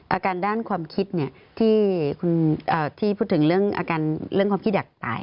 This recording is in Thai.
อาการด้านความคิดที่พูดถึงเรื่องความคิดอยากตาย